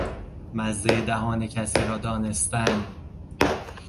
مزه دهان کسی را دانستن